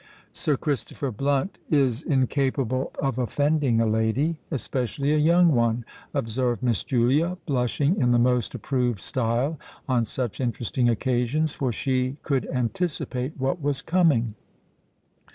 "Sir Christopher Blunt is incapable of offending a lady—especially a young one," observed Miss Julia, blushing in the most approved style on such interesting occasions—for she could anticipate what was coming.